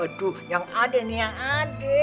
aduh yang ade nih yang ade